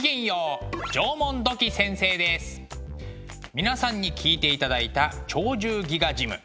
皆さんに聴いていただいた「鳥獣戯画ジム」。